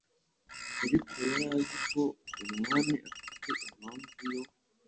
Ariko yari azi ko Umwami afite impamvu yo